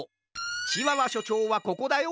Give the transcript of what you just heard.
チワワしょちょうはここだよ！